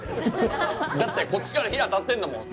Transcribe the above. だって、こっちから火、当たってんだもん。